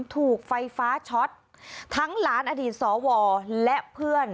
ถูกไฟฟ้าช็อตทั้งหลานอดีตสวและเพื่อน